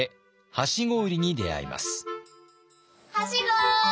はしご。